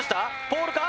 ポールか？